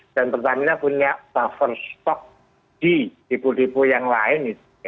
dan pertamina punya buffer stock di depo depo yang lain